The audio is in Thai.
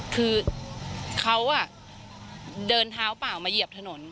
คือเขาเดินเท้าเปล่ามาเหยียบถนน